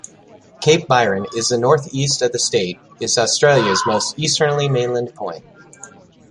Cape Byron, in the north-east of the state, is Australia's most easterly mainland point.